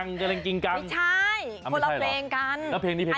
นี่ใช่ผลเพลงแบบร้อย